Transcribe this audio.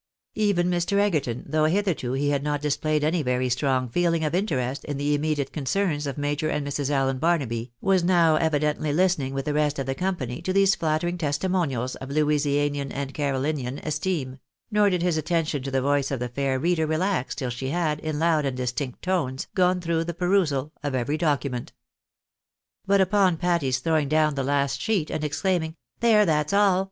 Even Mr. Egerton, though hitherto he had not displayed any very strong feeling of interest in the immediate con cerns of JIajor and Mrs. Allen Barnaby, was now evidently listen ing with the rest of the company to these flattering testimonials of Louisianian and Carolinian esteem ; nor did his attention to the voice of the fair reader relax till she had, in loud and distinct tones, gone through the perusal of every document. But upon Patty's throwing down the last sheet, and exclaiming, " There, that's all